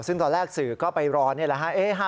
ซึ่งตอนแรกสื่อก็ไปรอนี่แหละฮะ